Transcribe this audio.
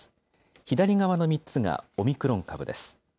左側の３つが、オミクロン株です。